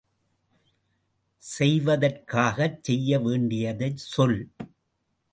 செய்வதற்காகச் செய்ய வேண்டியதைச் சொல்.